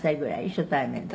初対面で」